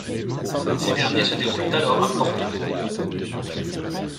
Ces derniers se déroulent alors à Porto.